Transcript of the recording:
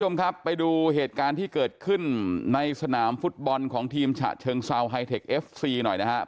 คุณผู้ชมครับไปดูเหตุการณ์ที่เกิดขึ้นในสนามฟุตบอลของทีมฉะเชิงเซาไฮเทคเอฟซีหน่อยนะครับ